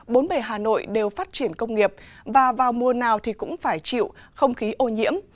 bốn bề hà nội đều phát triển công nghiệp và vào mùa nào thì cũng phải chịu không khí ô nhiễm